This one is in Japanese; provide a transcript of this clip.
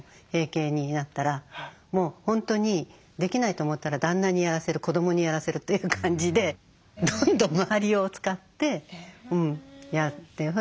閉経になったらもう本当にできないと思ったら旦那にやらせる子どもにやらせるという感じでどんどん周りを使ってやって。